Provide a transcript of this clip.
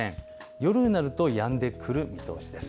夜になるとやんでくる見通しです。